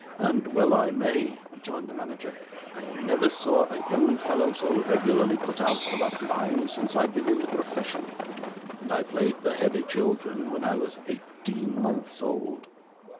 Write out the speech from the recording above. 'And well I may,' rejoined the manager. 'I never saw a young fellow so regularly cut out for that line, since I've been in the profession. And I played the heavy children when I was eighteen months old.